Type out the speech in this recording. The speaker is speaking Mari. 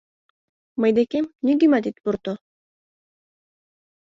Мый декем нигӧмат ит пурто.